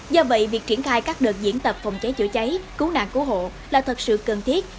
do vậy việc triển khai các đợt diễn tập phòng cháy chữa cháy cứu nạn cứu hộ là thật sự cần thiết